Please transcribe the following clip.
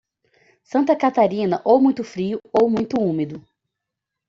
Santa Caterina, ou muito frio, ou muito úmido.